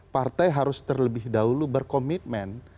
partai harus terlebih dahulu berkomitmen